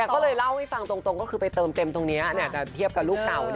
ก็เลยเล่าให้ฟังตรงก็คือไปเติมเต็มตรงนี้แต่เทียบกับลูกเก่า